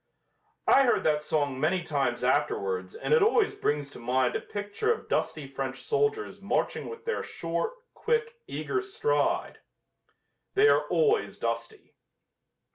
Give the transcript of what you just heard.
I heard that song many times afterwards and it always brings to mind a picture of dusty French soldiers marching with their short, quick, eager stride. They are always dusty.